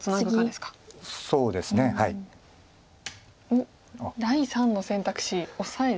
おっ第３の選択肢オサエでした。